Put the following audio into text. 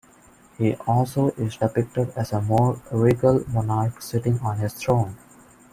He also is depicted as a more regal monarch sitting on his throne.